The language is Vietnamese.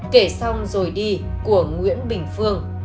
kể xong rồi đi của nguyễn bình phương